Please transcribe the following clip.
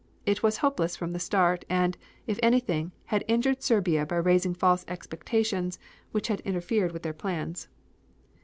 It was hopeless from the start, and, if anything, had injured Serbia by raising false expectations which had interfered with their plans.